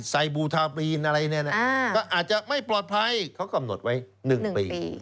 ไซบูทาบีนอะไรเนี่ยนะก็อาจจะไม่ปลอดภัยเขากำหนดไว้๑ปี